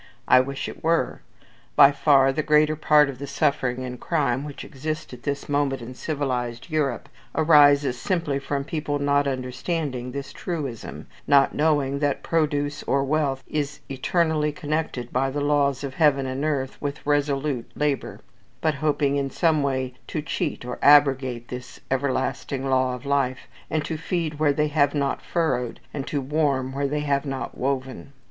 I wish it were. By far the greater part of the suffering and crime which exist at this moment in civilized Europe, arises simply from people not understanding this truism not knowing that produce or wealth is eternally connected by the laws of heaven and earth with resolute labour; but hoping in some way to cheat or abrogate this everlasting law of life, and to feed where they have not furrowed, and be warm where they have not woven.